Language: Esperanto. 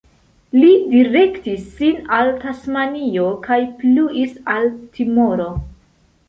Li direktis sin al Tasmanio kaj pluis al Timoro.